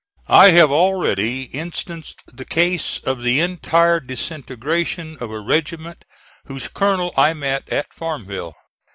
I have already instanced the case of the entire disintegration of a regiment whose colonel I met at Farmville.